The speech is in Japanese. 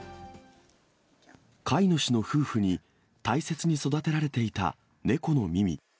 飼い主の夫婦に大切に育てられていた猫のミミ。